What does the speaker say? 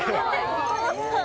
お父さん！